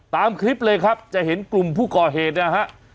ตามคลิปเลยครับจะเห็นกลุ่มผู้ก่อเหตุนะฮะ